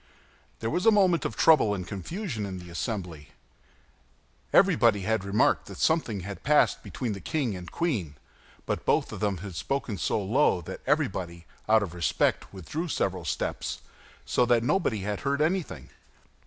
There was a moment of trouble and confusion in the assembly. Everybody had remarked that something had passed between the king and queen; but both of them had spoken so low that everybody, out of respect, withdrew several steps, so that nobody had heard anything.